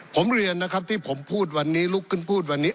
ผมเรียนนะครับที่ผมพูดวันนี้ลุกขึ้นพูดวันนี้